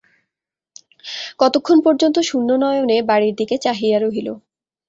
কতক্ষণ পর্যন্ত শূন্য নয়নে বাড়ির দিকে চাহিয়া রহিল।